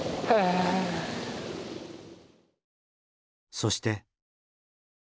そして。